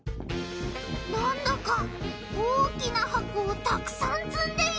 なんだか大きな箱をたくさんつんでいるぞ！